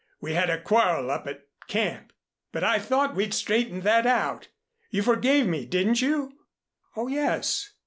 "We had a quarrel up at camp, but I thought we'd straightened that out. You forgave me, didn't you?" "Oh, yes.